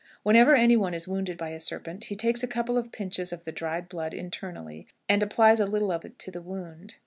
Whenever any one is wounded by a serpent, he takes a couple of pinches of the dried blood internally, and applies a little of it to the wound."